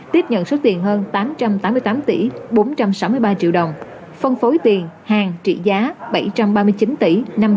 tiếp nhận số tiền hơn tám trăm tám mươi tám tỷ bốn trăm sáu mươi ba triệu đồng phân phối tiền hàng trị giá bảy trăm ba mươi chín tỷ năm trăm linh